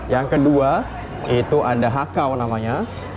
yang kedua itu ada hakau namanya